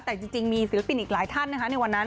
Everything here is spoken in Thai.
แต่จริงมีศิลปินอีกหลายท่านนะคะในวันนั้น